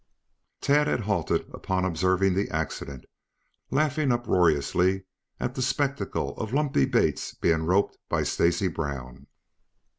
Tad had halted upon observing the accident, laughing uproariously at the spectacle of Lumpy Bates being roped by Stacy Brown.